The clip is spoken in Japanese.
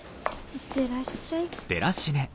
行ってらっしゃい。